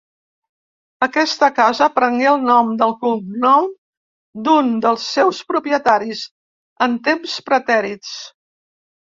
Aquesta casa prengué el nom del cognom d'un dels seus propietaris, en temps pretèrits.